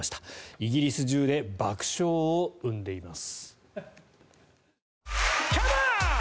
イギリス中で爆笑を生んでいます。